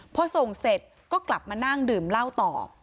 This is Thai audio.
พอส่งเสร็จก็กลับมานั่งดื่มเหล้าต่อ